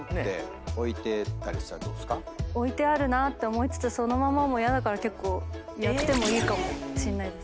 置いてあるなって思いつつそのままも嫌だから結構やってもいいかもしんないです。